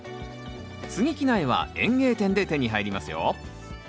つぎ木苗は園芸店で手に入りますよ。